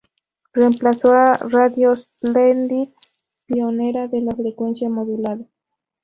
Reemplazó a Radio Splendid, pionera de la frecuencia modulada.